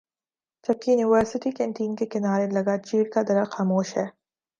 جبکہ university canteen کے کنارے لگا چیڑ کا درخت خاموش ہے